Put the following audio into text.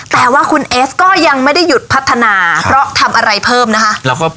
แต่ว่าคุณเอสก็ยังไม่ได้หยุดพัฒนาเพราะทำอะไรเพิ่มนะคะ